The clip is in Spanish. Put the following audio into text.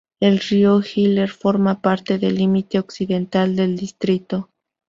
El río Iller forma parte del límite occidental del distrito.